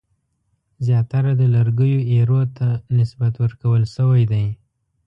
زیاتره د لرګیو ایرو ته نسبت ورکول شوی دی.